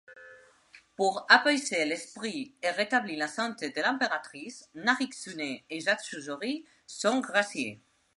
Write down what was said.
Pour apaiser l'esprit et rétablir la santé de l'impératrice, Naritsune et Yasuyori sont graciés.